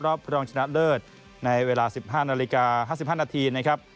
รองชนะเลิศในเวลา๑๕นาฬิกา๕๕นาทีนะครับ